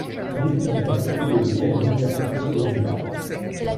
Il étudie l'Anthropologie à l'Université Columbia.